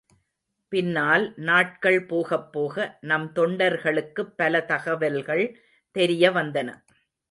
பின்னால் நாட்கள் போகப்போக, நம் தொண்டர்களுக்குப் பல தகவல்கள் தெரியவந்தன.